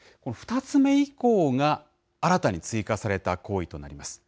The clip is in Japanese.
２つ目以降が新たに追加された行為となります。